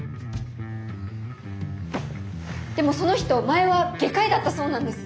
でもその人前は外科医だったそうなんです。